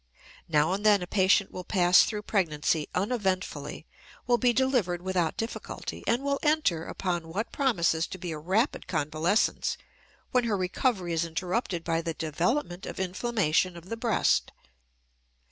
Now and then a patient will pass through pregnancy uneventfully, will be delivered without difficulty, and will enter upon what promises to be a rapid convalescence when her recovery is interrupted by the development of inflammation of the breast.